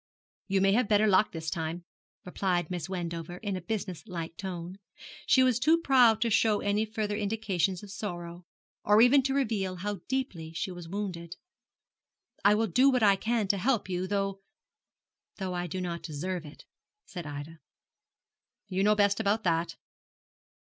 'You may have better luck this time,' replied Miss Wendover, in a business like tone. She was too proud to show any further indications of sorrow, or even to reveal how deeply she was wounded. 'I will do what I can to help you, though ' 'Though I do not deserve it,' said Ida. 'You know best about that.